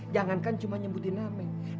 jangankan cuma nyebutin namanya